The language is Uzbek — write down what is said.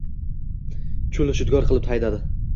Cho‘lni shudgor qilib haydadi.